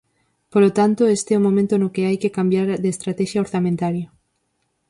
Polo tanto, este é o momento no que hai que cambiar de estratexia orzamentaria.